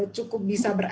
cukup bisa berani